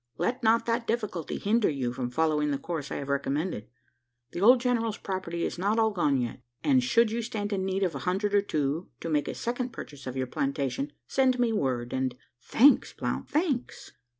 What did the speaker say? Let not that difficulty hinder you from following the course I have recommended. The old general's property is not all gone yet; and, should you stand in need of a hundred or two, to make a second purchase of your plantation, send me word, and " "Thanks, Blount thanks!